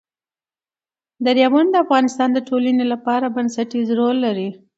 دریابونه د افغانستان د ټولنې لپاره بنسټيز رول لري.